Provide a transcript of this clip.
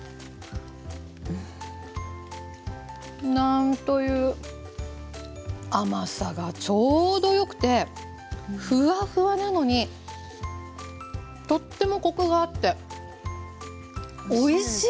なんという甘さがちょうどよくてふわふわなのにとってもコクがあっておいしいですね！